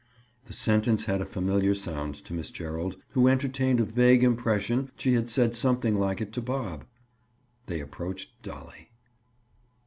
The sentence had a familiar sound to Miss Gerald who entertained a vague impression she had said something like it to Bob. They approached Dolly.